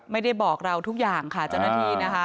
ไม่ได้บอกเราทุกอย่างค่ะเจ้าหน้าที่นะคะ